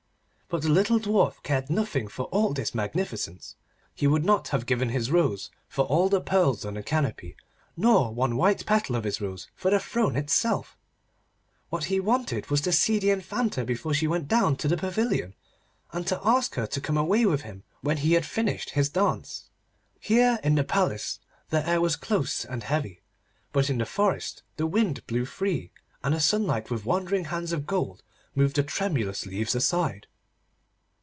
But the little Dwarf cared nothing for all this magnificence. He would not have given his rose for all the pearls on the canopy, nor one white petal of his rose for the throne itself. What he wanted was to see the Infanta before she went down to the pavilion, and to ask her to come away with him when he had finished his dance. Here, in the Palace, the air was close and heavy, but in the forest the wind blew free, and the sunlight with wandering hands of gold moved the tremulous leaves aside.